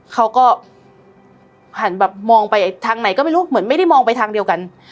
เขาก็หันแบบมองไปทางไหนก็ไม่รู้เหมือนไม่ได้มองไปทางเดียวกัน